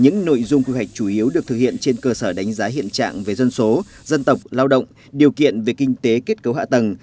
những nội dung quy hoạch chủ yếu được thực hiện trên cơ sở đánh giá hiện trạng về dân số dân tộc lao động điều kiện về kinh tế kết cấu hạ tầng